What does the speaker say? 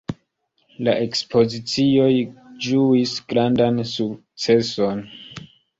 La ekspozicioj ĝuis grandan sukceson.